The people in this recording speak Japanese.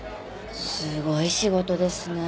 すごい仕事ですね。